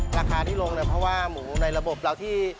ราคาที่ลงเนี่ยเพราะว่าหมูในระบบเราที่